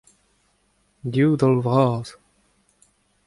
div daol vras.